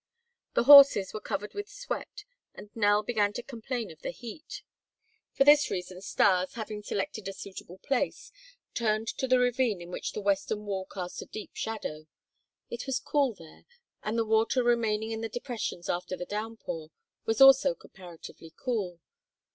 The horses were covered with sweat and Nell began to complain of the heat. For this reason Stas, having selected a suitable place, turned to the ravine in which the western wall cast a deep shadow. It was cool there, and the water remaining in the depressions after the downpour was also comparatively cool.